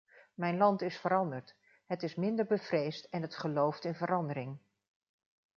Mijn land is veranderd: het is minder bevreesd en het gelooft in verandering.